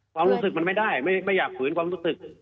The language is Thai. ความรู้สึกมันไม่ได้ไม่อยากฝืนความรู้สึก